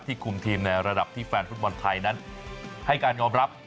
คุมทีมในระดับที่แฟนฟุตบอลไทยนั้นให้การยอมรับ